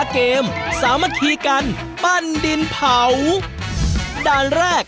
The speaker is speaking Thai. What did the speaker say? เข้าเตาอ่ะ